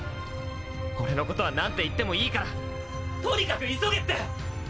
俺のことは何て言ってもいいからとにかく急げって！？